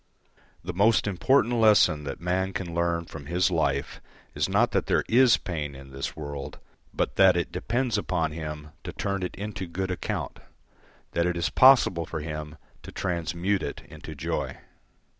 The most important lesson that man can learn from his life is not that there is pain in this world, but that it depends upon him to turn it into good account, that it is possible for him to transmute it into joy.